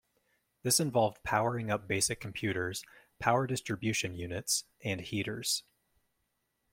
This involved powering up basic computers, power distribution units, and heaters.